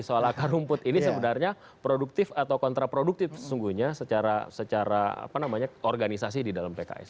soal akar rumput ini sebenarnya produktif atau kontraproduktif sesungguhnya secara organisasi di dalam pks